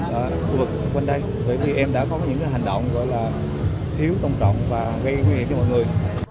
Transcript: bên đây bởi vì em đã có những hành động gọi là thiếu tôn trọng và gây nguy hiểm cho mọi người